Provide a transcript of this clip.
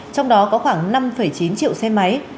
trong đó có khoảng năm chín triệu xe máy